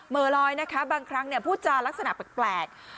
เมอร์ลอยนะคะบางครั้งพูดจารย์ลักษณะแปลก